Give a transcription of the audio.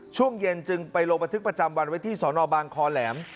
ช่วงเย็นจึงไปลงบันทึกประจำวันไว้ที่สนบางคอแหลม